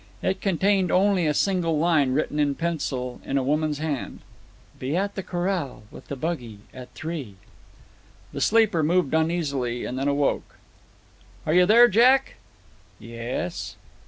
It contained only a single line, written in pencil, in a woman's hand: "Be at the corral, with the buggy, at three." The sleeper moved uneasily, and then awoke. "Are you there Jack?" "Yes."